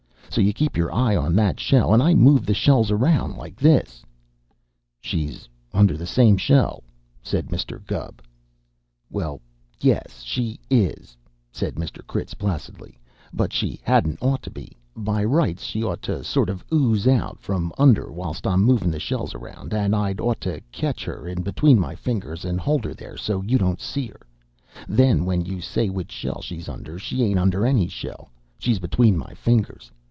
So you keep your eye on that shell, and I move the shells around like this " "She's under the same shell," said Mr. Gubb. "Well, yes, she is," said Mr. Critz placidly, "but she hadn't ought to be. By rights she ought to sort of ooze out from under whilst I'm movin' the shells around, and I'd ought to sort of catch her in between my fingers and hold her there so you don't see her. Then when you say which shell she's under, she ain't under any shell; she's between my fingers.